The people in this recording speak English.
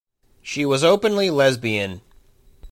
She was openly lesbian.